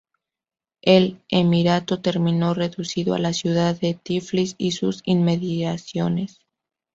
El emirato terminó reducido a la ciudad de Tiflis y sus inmediaciones.